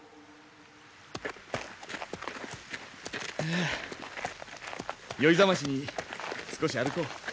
はあ酔い覚ましに少し歩こう。